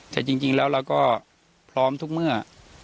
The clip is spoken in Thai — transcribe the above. แต่จริงแล้วเราก็พร้อมทุกเมื่อ